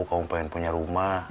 kamu pengen punya rumah